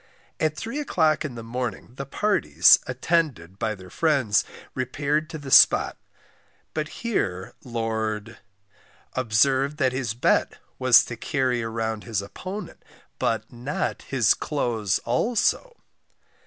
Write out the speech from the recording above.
At three o'clock in the morning, the parties, attended by their friends, repaired to the spot; but here Lord observed that his bet was to carry his opponent, but not his clothes also.